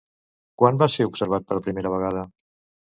Quan va ser observat per primera vegada?